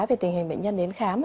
về tình hình bệnh nhân đến khám